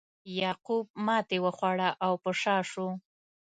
یعقوب ماتې وخوړه او په شا شو.